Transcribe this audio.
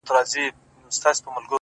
• ماته به بله موضوع پاته نه وي ـ